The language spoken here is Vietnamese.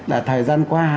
là thời gian qua